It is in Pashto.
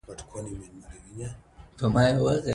پکتیا د افغانستان د اقلیم ځانګړتیا ده.